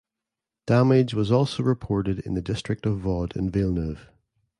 Damage was also reported in the district of Vaud in Villeneuve.